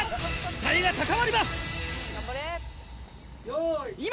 期待が高まります！用意。